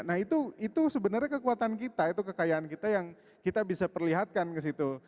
nah itu sebenarnya kekuatan kita itu kekayaan kita yang kita bisa perlihatkan ke situ